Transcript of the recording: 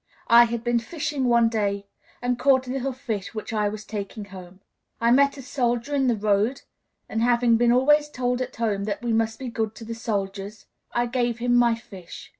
I had been fishing one day and caught a little fish which I was taking home. I met a soldier in the road, and, having been always told at home that we must be good to the soldiers, I gave him my fish."